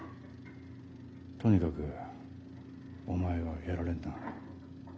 とにかくお前はやられんな。